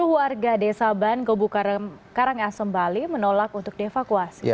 dua puluh warga desa ban gobu karangasem bali menolak untuk dievakuasi